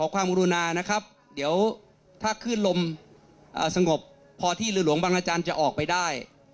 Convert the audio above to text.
คลื่นลมสงบพอที่เรือหลวงบรรจันทร์จะออกไปได้